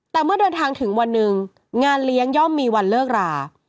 แต่เมื่อเดินทางถึงวันหนึ่งงานเลี้ยงย่อมมีวันเลิกรา